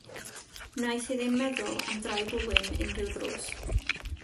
Wnaeth hi ddim meddwl am droi bwlyn unrhyw ddrws.